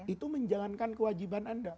itu menjalankan kewajiban anda